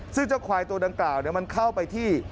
ซึ่งเจ้าควายตัวดังกล่าวมันเข้าไปที่